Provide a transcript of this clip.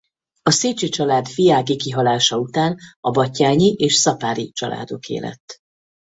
A Széchy család fiági kihalása után a Batthyány és Szapáry családoké lett.